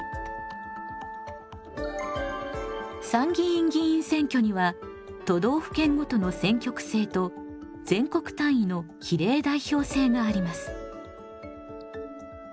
参議院議員選挙には都道府県ごとの選挙区制と全国単位の比例代表制があります。